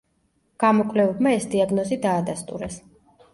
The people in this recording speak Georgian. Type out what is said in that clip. გამოკვლევებმა ეს დიაგნოზი დაადასტურეს.